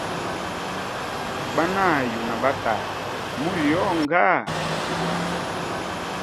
Banayu na ba tata muli onga?